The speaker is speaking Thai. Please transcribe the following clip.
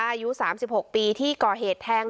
อายุ๓๖ปีที่ก่อเหตุแทง